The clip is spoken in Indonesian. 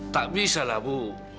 tak bisa lah bu